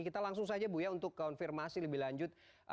kita langsung saja bu ya untuk konfirmasi lebih lanjut